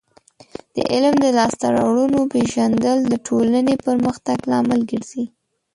د علم د لاسته راوړنو پیژندل د ټولنې پرمختګ لامل ګرځي.